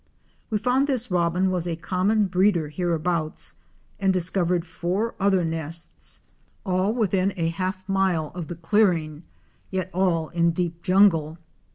We found this Robin was a common breeder hereabouts and discovered four other nests, all within a half mile of 324 OUR SEARCH FOR A WILDERNESS. the clearing, yet all in deep jungle.